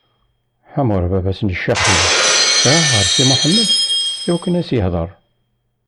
Ḥamur, baba-s n Caxim, iṛuḥ ɣer Si Mḥemmed iwakken ad s-ihdeṛ.